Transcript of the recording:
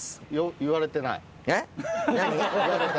言われてない。